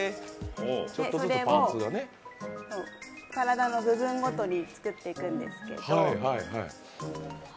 それを体の部分ごとに作っていくんですけれど。